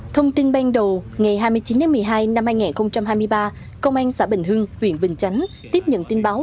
thông tin ban đầu ngày hai mươi chín một mươi hai năm hai nghìn hai mươi ba công an xã bình hưng huyện bình chánh tiếp nhận tin báo